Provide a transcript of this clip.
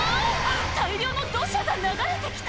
大量の土砂が流れてきた！